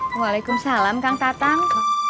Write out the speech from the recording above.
waalaikumsalam kang tatang